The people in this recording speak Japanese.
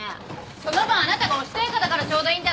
その分あなたがおしとやかだからちょうどいいんじゃない。